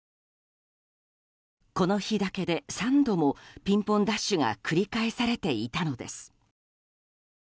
この日だけで３度もピンポンダッシュが繰り返されていたのです。